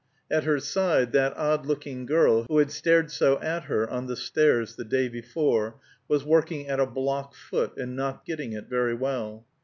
At her side that odd looking girl, who had stared so at her on the stairs the day before, was working at a block foot, and not getting it very well.